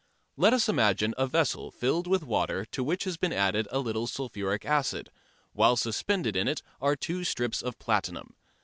Let us imagine a vessel filled with water to which has been added a little sulphuric acid, while suspended in it are two strips of platinum.